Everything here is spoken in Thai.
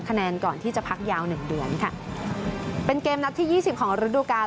คะแนนก่อนที่จะพักยาวหนึ่งเดือนค่ะเป็นเกมนัดที่ยี่สิบของฤดูกาล